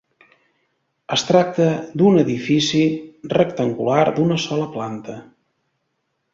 Es tracta d'un edifici rectangular d'una sola planta.